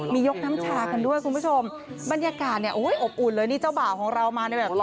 มียกน้ำชากันด้วยคุณผู้ชมบรรยากาศเนี่ยโอ้ยอบอุ่นเลยนี่เจ้าบ่าวของเรามาในแบบห